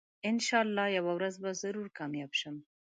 انشاالله یوه ورځ به ضرور کامیاب شم